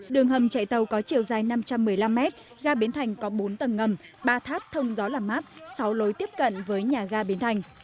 đường hầm chạy tàu có chiều dài năm trăm một mươi năm mét ga biến thành có bốn tầng ngầm ba tháp thông gió làm mát sáu lối tiếp cận với nhà ga bến thành